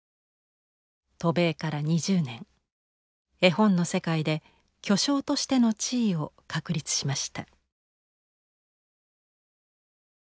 渡米から２０年絵本の世界で巨匠としての地位を確立しました。